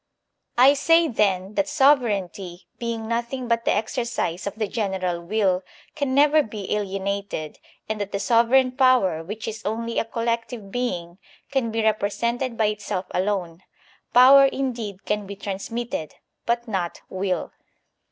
I say, then, that sovereignty, being nothing but the exercise of the general will, can never be alienated, and that the sovereign power, which is only a collective being, can be represented by itself alone; power indeed can be transmitted, but not will.